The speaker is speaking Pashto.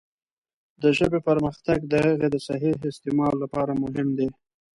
د ژبې پرمختګ د هغې د صحیح استعمال لپاره مهم دی.